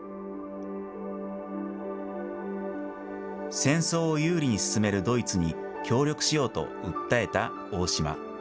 戦争を有利に進めるドイツに協力しようと訴えた大島。